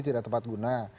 tidak tepat guna